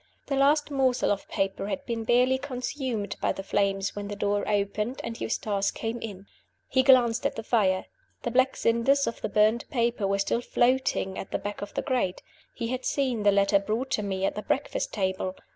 The last morsel of paper had been barely consumed by the flames when the door opened, and Eustace came in. He glanced at the fire. The black cinders of the burned paper were still floating at the back of the grate. He had seen the letter brought to me at the breakfast table.